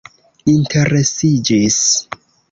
interesiĝis